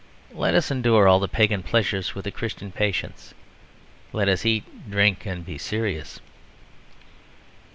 Let us endure all the pagan pleasures with a Christian patience. Let us eat, drink, and be serious.